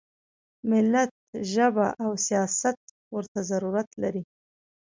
ملت ژبه او سیاست ورته ضرورت لري.